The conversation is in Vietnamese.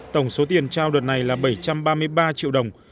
tổng số tiền trao đợt này là bảy trăm ba mươi ba triệu đồng